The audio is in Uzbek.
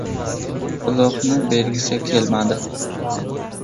Uloqni bergisi kelmadi!